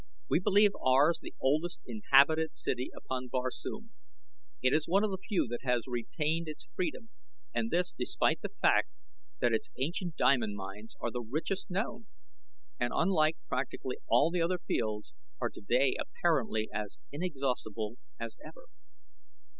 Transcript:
"We believe ours the oldest inhabited city upon Barsoom. It is one of the few that has retained its freedom, and this despite the fact that its ancient diamond mines are the richest known and, unlike practically all the other fields, are today apparently as inexhaustible as ever."